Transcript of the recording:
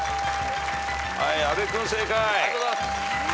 阿部君正解。